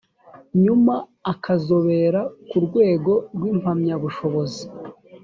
nyuma akazobera ku rwego rw impamyabushobozi